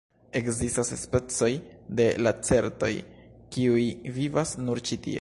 Ekzistas specoj de lacertoj, kiuj vivas nur ĉi tie.